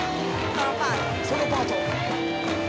ソロパート。